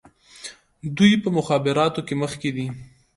دوی په مخابراتو کې مخکې دي.